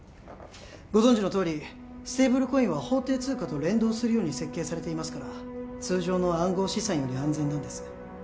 ご存じのとおりステーブルコインは法定通貨と連動するように設計されていますから通常の暗号資産より安全なんです